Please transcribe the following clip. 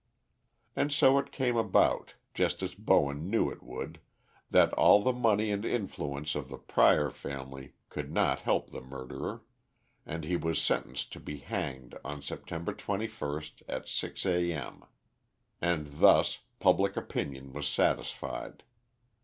And so it came about, just as Bowen knew it would, that all the money and influence of the Prior family could not help the murderer, and he was sentenced to be hanged on September 21, at 6 A.M. And thus public opinion was satisfied.